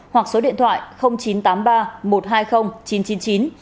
hoặc số điện thoại chín trăm tám mươi ba một trăm hai mươi chín trăm chín mươi chín